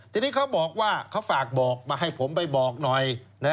ทีนี้เขาบอกว่าเขาฝากบอกมาให้ผมไปบอกหน่อย